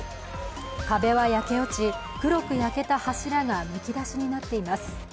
壁は焼け落ち、黒く焼けた柱がむき出しになっています。